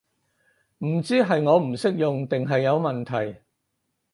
唔知係我唔識用定係有問題